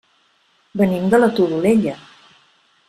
Venim de la Todolella.